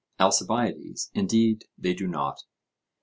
ALCIBIADES: Indeed they do not.